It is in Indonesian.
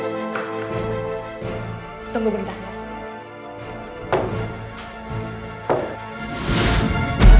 ya tapi dia masih sedang berada di dalam keadaan yang teruk